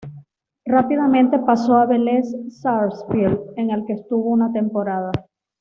Rápidamente pasó a Velez Sarsfield, en el que estuvo una temporada.